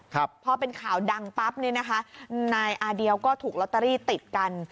ครับพอเป็นข่าวดังปั๊บเนี่ยนะคะนายอาเดียวก็ถูกลอตเตอรี่ติดกัน